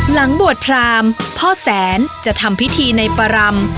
หลังบวชพรามพ่อแสนจะทำพิธีในประรำ